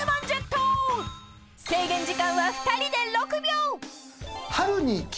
［制限時間は２人で６秒］